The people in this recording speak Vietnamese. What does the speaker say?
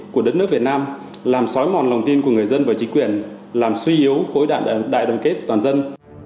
của đất nước việt nam làm xói mòn lòng tin của người dân và chính quyền làm suy yếu khối đại đoàn kết toàn dân